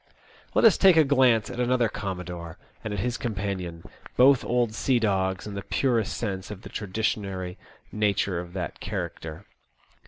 Let us take a glance at another commodore, and at his companion, both old sea dogs in the purest sense of the traditionary nature of that character.